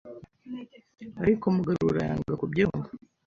ariko Mugarura yanga kubyumva,